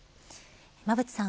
馬渕さん